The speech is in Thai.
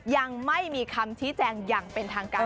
ยังไม่มีคำชี้แจงอย่างเป็นทางการ